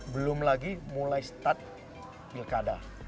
belum lagi mulai start pilkada